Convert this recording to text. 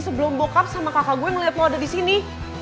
sebelum bokap sama kakak gue yang ngeliatmu ada di sini